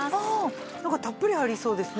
なんかたっぷり入りそうですね。